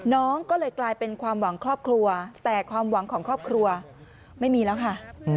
น้องก็เลยกลายเป็นความหวังครอบครัวแต่ความหวังของครอบครัวไม่มีแล้วค่ะ